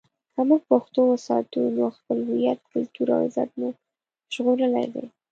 که موږ پښتو وساتو، نو خپل هویت، کلتور او عزت مو ژغورلی دی.